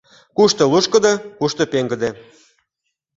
Кушто лушкыдо, кушто пеҥгыде.